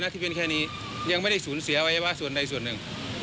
ที่เป็นแค่นี้ยังไม่ได้สูญเสียวัยวะส่วนใดส่วนหนึ่ง